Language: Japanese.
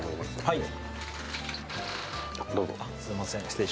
はい。